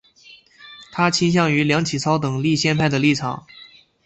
他倾向于梁启超等立宪派的立场。